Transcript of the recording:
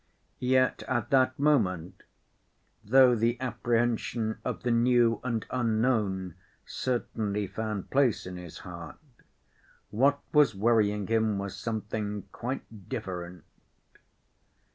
Yet at that moment, though the apprehension of the new and unknown certainly found place in his heart, what was worrying him was something quite different.